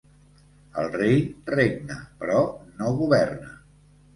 El rei regna, però no governa.